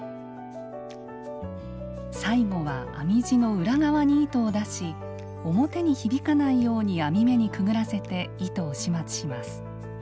最後は編み地の裏側に糸を出し表にひびかないように編み目にくぐらせて糸を始末します。